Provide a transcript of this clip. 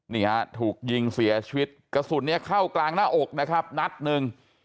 นี่ฮะถูกยิงเสียชีวิตกระสุนเนี่ยเข้ากลางหน้าอกนะครับนัดหนึ่ง